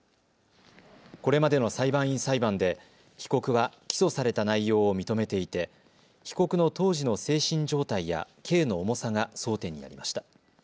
これまでの裁判員裁判で被告は起訴された内容を認めていて被告の当時の精神状態や刑の重さが争点になりました。